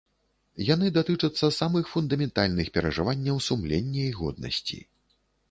Яны датычацца самых фундаментальных перажыванняў сумлення і годнасці.